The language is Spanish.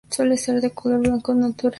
Suele ser de color blanco natural.